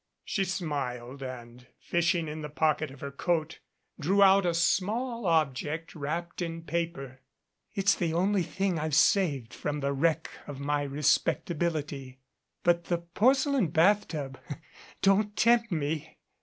She smiled, and, fishing in the pocket of her coat, drew out a small object wrapped in paper. "It's the only thing I've saved from the wreck of my respectability but the porcelain bath tub ! Don't tempt me."